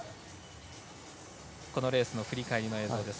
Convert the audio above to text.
このレースの振り返りの映像です。